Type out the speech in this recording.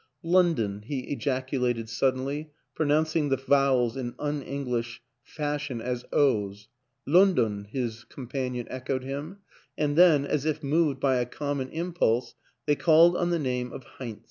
" London," he ejaculated suddenly, pronounc ing the vowels in un English fashion as O's. " London !" his companion echoed him and then, as if moved by a common impulse, they called on the name of Heinz.